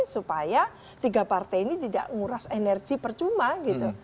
supaya tiga partai ini tidak nguras energi percuma gitu